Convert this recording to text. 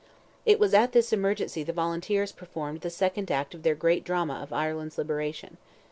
It was at this emergency the Volunteers performed the second act of their great drama of Ireland's liberation.